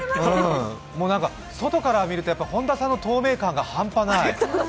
外から見ると本田さんの透明感がハンパない。